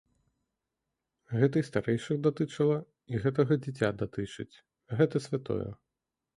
Гэта і старэйшых датычыла, і гэтага дзіця датычыць, гэта святое.